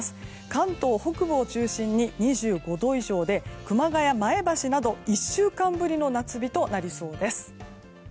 関東北部を中心に２５度以上で熊谷、前橋などは１週間ぶりの夏日となりそうです。